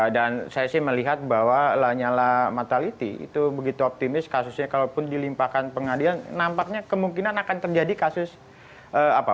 dan saya sih melihat bahwa lanyala mataliti itu begitu optimis kasusnya kalaupun dilimpahkan pengadilan nampaknya kemungkinan akan terjadi kasus apa